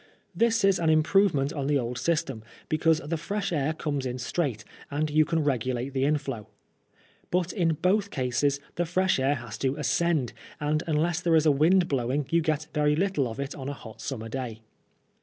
This is an improve ment on the old system, because the fresh air comes in straight, and you can regulate the inflow. But in both cases the fresh air has to ascend^ and unless there is a wind blowing you get very little of it on a hot sum mer day.